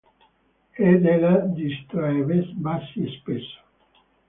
Ed ella distraevasi spesso.